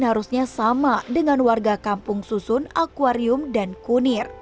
harusnya sama dengan warga kampung susun akwarium dan kunir